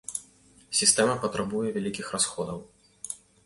Сістэма патрабуе вялікіх расходаў.